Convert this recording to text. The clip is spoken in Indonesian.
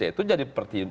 itu jadi pertimbangan